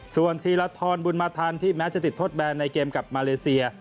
ส่วนธีรทรบุญมาทันที่แม้จะติดทดแบนในเกมกับมาเลเซีย